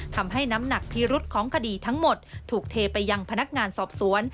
ทำให้น้ำหนักพิรุษของคดีทั้งหมดถูกเทไปยังพนักงานสอบสวน